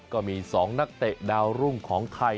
ก็มี๒นักเตะดาวรุ่งของไทย